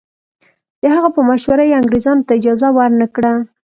د هغه په مشوره یې انګریزانو ته اجازه ورنه کړه.